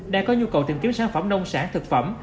đã có nhu cầu tìm kiếm sản phẩm nông sản thực phẩm